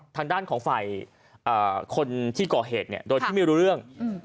ทางด้านของฝ่ายคนที่ก่อเหตุเนี่ยโดยที่ไม่รู้เรื่อง